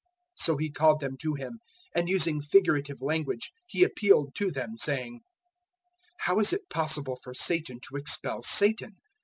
003:023 So He called them to Him, and using figurative language He appealed to them, saying, "How is it possible for Satan to expel Satan?